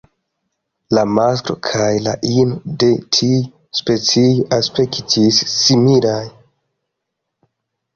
La masklo kaj la ino de tiu specio aspektis similaj.